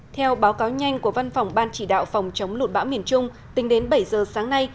theo báo cáo nhanh của văn phòng ban chỉ đạo phòng chống lụt bão miền trung tính đến bảy giờ sáng nay